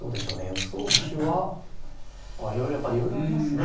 予想手はやっぱりいろいろありますね。